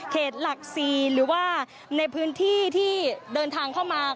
หลัก๔หรือว่าในพื้นที่ที่เดินทางเข้ามา